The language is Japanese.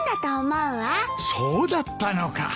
そうだったのか。